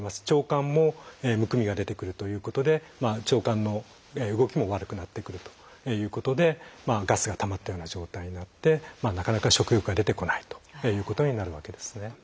腸管もむくみが出てくるということで腸管の動きも悪くなってくるということでガスが溜まったような状態になってなかなか食欲が出てこないということになるわけですね。